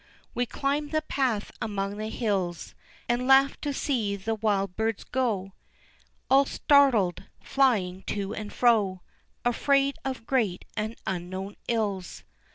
We climbed the path among the hills, And laughed to see the wild birds go All startled, flying to and fro Afraid of great and unknown ills.